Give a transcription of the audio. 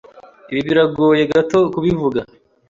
Ibi biragoye gato kubivuga.